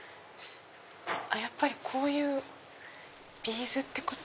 やっぱりこういうビーズってこと？